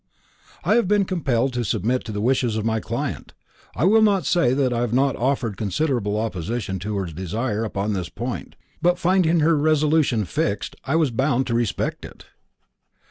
"I have been compelled to submit to the wishes of my client. I will not say that I have not offered considerable opposition to her desire upon this point, but finding her resolution fixed, I was bound to respect it."